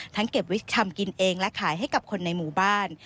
เก็บวิชชำกินเองและขายให้กับคนในหมู่บ้าน